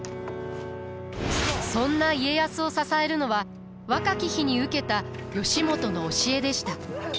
そんな家康を支えるのは若き日に受けた義元の教えでした。